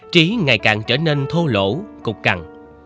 trí ngày càng trở nên thô lỗ cục cằn